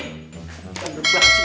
kan berbahasnya lah ini